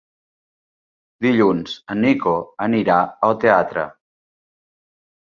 Dilluns en Nico anirà al teatre.